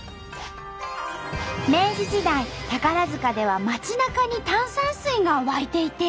明治時代宝塚では街なかに炭酸水が湧いていて。